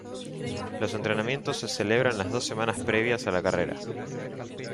Los entrenamientos se celebran las dos semanas previas a la carrera.